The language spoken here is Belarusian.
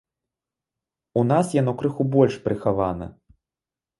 У нас яно крыху больш прыхавана.